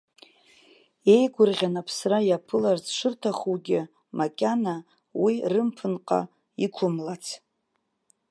Еигәырӷьан аԥсра иаԥыларц шырҭахугьы, макьана уи рымԥынҟа иқәымлац!